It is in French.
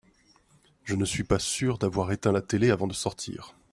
Je ne suis pas sûr d'avoir éteint la télé avant de sortir.